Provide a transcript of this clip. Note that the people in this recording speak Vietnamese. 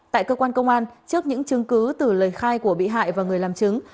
tại cơ quan công an trước những chứng cứ từ lời khai của bị hại và người làm chứng